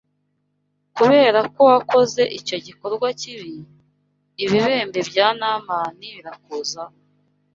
kubera ko wakoze icyo gikorwa kibi, ibibembe bya Namani birakuzaho